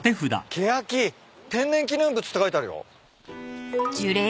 「天然記念物」って書いてあるよ。